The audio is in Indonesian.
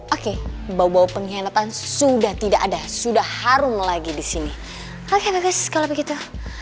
oke bau bau pengkhianatan sudah tidak ada sudah harum lagi di sini oke bagus kalau begitu